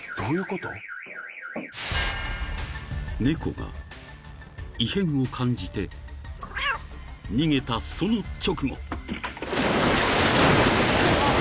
［猫が異変を感じて逃げたその直後］